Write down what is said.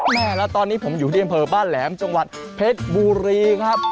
แม่แล้วตอนนี้ผมอยู่ที่อำเภอบ้านแหลมจังหวัดเพชรบุรีครับ